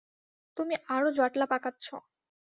তুমি আরও জটলা পাকাচ্ছ!